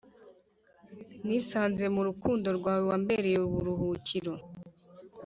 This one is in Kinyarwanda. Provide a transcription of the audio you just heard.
nisanze murukundo rwawe wembereye uburuhukiro